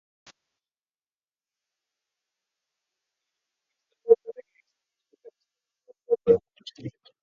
They finished seventh in Lignano and ninth at the World Championships in Marseille.